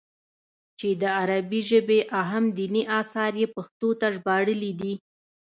چې د عربي ژبې اهم ديني اثار ئې پښتو ته ژباړلي دي